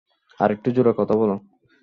আরেকটু জোরে কথা বলো।